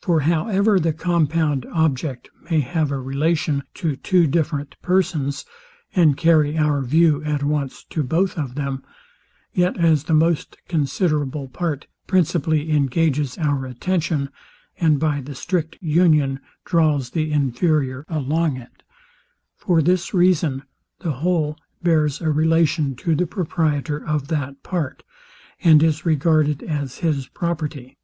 For however the compound object may have a relation to two different persons, and carry our view at once to both of them, yet as the most considerable part principally engages our attention, and by the strict union draws the inferior along it; for this reason, the whole bears a relation to the proprietor of that part, and is regarded as his property.